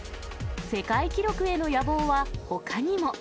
世界記録への野望はほかにも。